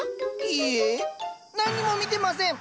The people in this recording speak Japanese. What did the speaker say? いいえ何にも見てません！